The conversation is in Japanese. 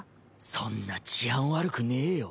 そんな治安悪くねぇよ。